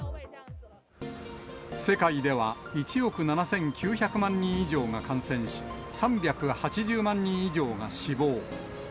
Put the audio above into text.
世界では、１億７９００万人以上が感染し、３８０万人以上が死亡。